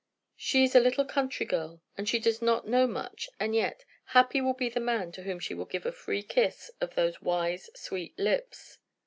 She is a little country girl, and she does not know much; and yet happy will be the man to whom she will give a free kiss of those wise, sweet lips!